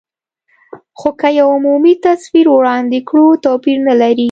خو که یو عمومي تصویر وړاندې کړو، توپیر نه لري.